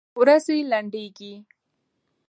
ورځي لنډيږي